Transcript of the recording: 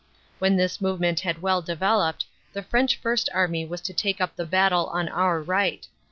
When this movement had well developed, the French First Army was to take up the battle on our right.